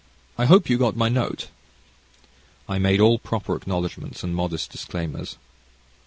I hope you got my note?" I made all proper acknowledgments and modest disclaimers.